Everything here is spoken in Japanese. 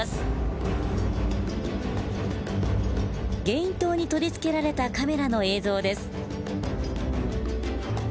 ゲイン塔に取り付けられたカメラの映像です。